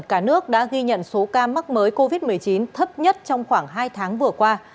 cả nước đã ghi nhận số ca mắc mới covid một mươi chín thấp nhất trong khoảng hai tháng vừa qua